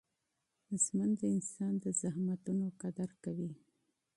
ژوند د انسان د زحمتونو قدر کوي.